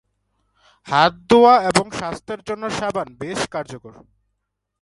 হাত ধোঁয়া এবং স্বাস্থ্যের জন্য সাবান বেশ কার্যকর।